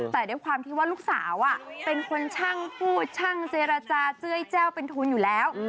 แต่ด้วยความที่ว่าลูกสาวเป็นคนช่างพูดช่างเจรจาเจื้อยแจ้วเป็นทุนอยู่แล้ว